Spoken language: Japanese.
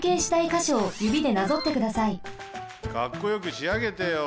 かっこよくしあげてよ。